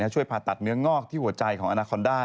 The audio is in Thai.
ช่วยผ่าตัดเนื้องอกที่หัวใจของอนาคอนด้า